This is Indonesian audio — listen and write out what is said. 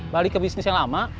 balik ke bisnis yang lama